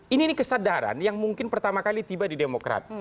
ini kesadaran yang mungkin pertama kali tiba di demokrat